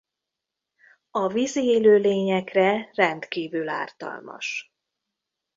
A vízi élőlényekre rendkívül ártalmas.